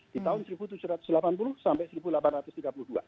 di tahun seribu tujuh ratus delapan puluh sampai seribu delapan ratus tiga puluh dua